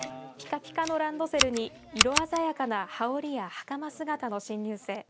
ピカピカのランドセルに色鮮やかな羽織やはかま姿の新入生。